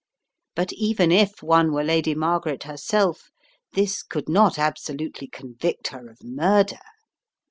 But even if one were Lady Margaret herself this could not absolutely convict her of murder.